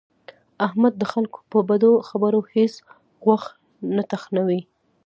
احمد د خلکو په بدو خبرو هېڅ غوږ نه تخنوي.